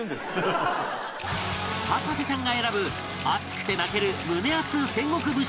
博士ちゃんが選ぶ熱くて泣ける胸アツ戦国武将